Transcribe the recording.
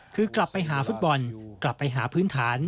คือกลับไปหาฟุตบอลกลับไปหาพื้นฐาน